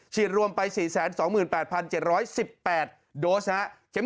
รวมไป๔๒๘๗๑๘โดสนะครับ